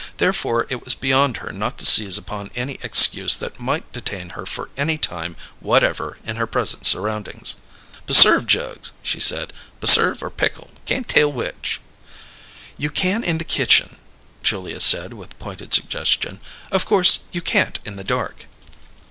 Therefore it was beyond her not to seize upon any excuse that might detain her for any time whatever in her present surroundings. "Pusserve jugs," she said. "Pusserve or pickle. Cain't tell which." "You can in the kitchen," Julia said, with pointed suggestion. "Of course you can't in the dark."